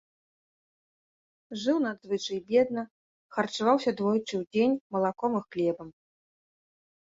Жыў надзвычай бедна, харчаваўся двойчы ў дзень малаком і хлебам.